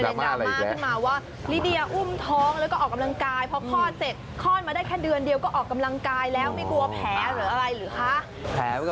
อ๋อคุณพักไก่เลยหลับเลย